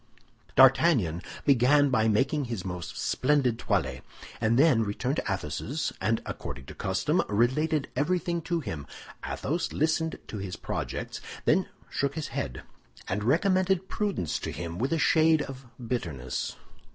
D'Artagnan began by making his most splendid toilet, then returned to Athos's, and according to custom, related everything to him. Athos listened to his projects, then shook his head, and recommended prudence to him with a shade of bitterness.